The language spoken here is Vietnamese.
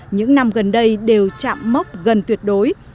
những năm gần đây đều chạm mốc gần tuyệt đối